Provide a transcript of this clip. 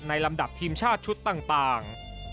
ลำดับทีมชาติชุดต่าง